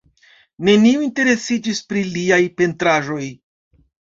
Neniu interesiĝis pri liaj pentraĵoj.